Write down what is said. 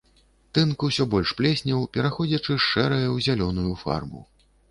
Тынк усё больш плеснеў, пераходзячы з шэрае ў зялёную фарбу.